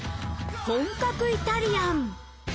本格イタリアン。